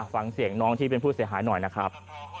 ฟังเสียงน้องที่เป็นผู้เสียหายหน่อยนะครับ